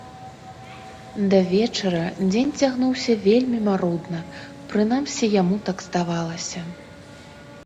Да вечара дзень цягнуўся вельмі марудна, прынамсі, яму так здавалася.